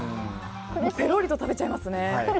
ぺろりと食べちゃいますね。